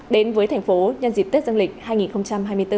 đến với thành phố nhân dịp tết dân lịch